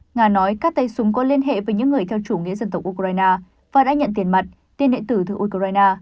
nga nói các tay súng có liên hệ với những người theo chủ nghĩa dân tộc ukraine và đã nhận tiền mặt tiền điện tử từ ukraine